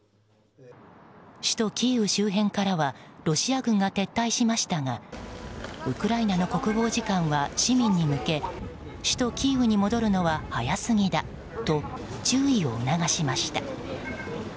首都キーウ周辺からはロシア軍が撤退しましたがウクライナの国防次官は市民へ向け首都キーウに戻るのは早すぎだと注意を促しました。